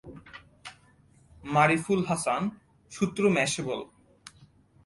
মারিফুল হাসান, সূত্র ম্যাশেবল